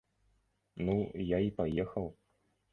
Ну, я і паехаў!